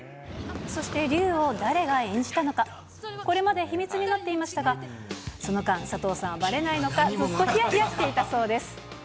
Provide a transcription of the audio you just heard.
そして、竜を誰が演じたのか、これまで秘密になっていましたが、その間、佐藤さんはばれないのか、ずっとひやひやしていたそうです。